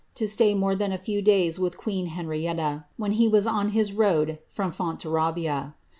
to stay Dore than a few days with queen Henrietta, when he was on his road from Fontarabia.